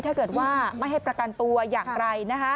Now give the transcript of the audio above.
ถ้าเกิดว่าไม่ให้ประกันตัวอย่างไร